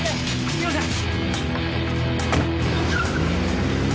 すみません！